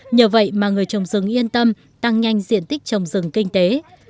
nhờ vậy mà người trồng rừng yên tâm tăng nhanh diện tích trồng rừng kinh tế